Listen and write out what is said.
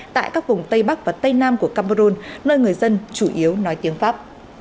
tại các vùng tây bắc và tây nam của cameroon nơi người dân chủ yếu nói tiếng pháp